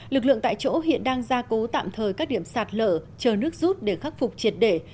lực lượng tại chỗ hiện đang gia cố tạm thời các điểm sạt lở chờ nước rút để khắc phục triệt để